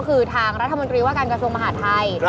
ก็คือทางรัฐมนตรีว่าการกระทรวงมหาทัย